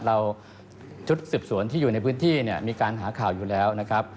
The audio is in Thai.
ชุดสืบสวนที่อยู่ในพื้นที่เนี่ยมีการหาข่าวอยู่แล้วนะครับ